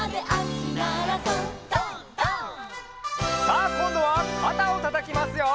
「」さあこんどはかたをたたきますよ！